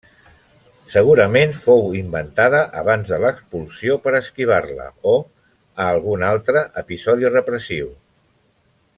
Segurament fou inventada abans de l'expulsió per esquivar-la o a algun altre episodi repressiu.